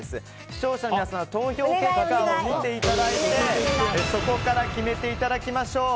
視聴者の皆さんの投票結果を見ていただいてそこから決めていただきましょう。